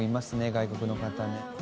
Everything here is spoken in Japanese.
外国の方ね。